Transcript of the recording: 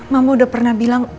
mama udah pernah bilang